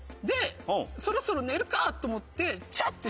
でそろそろ寝るかと思ってチャ！